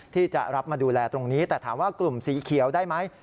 ที่จะรับมาดูแลตรงนี้แต่ถามว่ากลุ่มสีเขียวได้ไหม